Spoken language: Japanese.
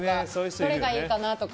どれがいいかなとか。